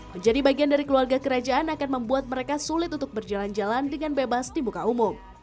menjadi bagian dari keluarga kerajaan akan membuat mereka sulit untuk berjalan jalan dengan bebas di muka umum